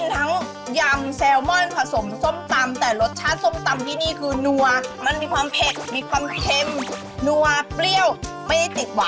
หมูปลารานี่แม่ของข้าวนี้